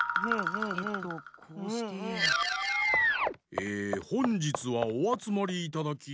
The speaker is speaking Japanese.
えほんじつはおあつまりいただき。